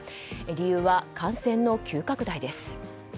理由は感染の急拡大です。